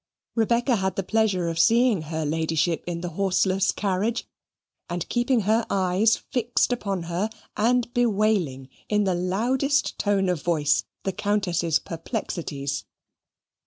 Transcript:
Rebecca had the pleasure of seeing her Ladyship in the horseless carriage, and keeping her eyes fixed upon her, and bewailing, in the loudest tone of voice, the Countess's perplexities.